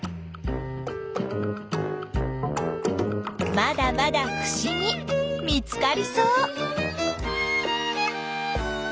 まだまだふしぎ見つかりそう。